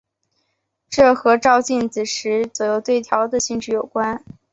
这和照镜子时左右对调的性质有关。